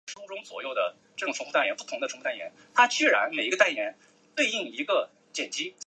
迈克勉强答应了。